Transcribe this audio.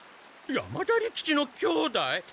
山田利吉の兄弟？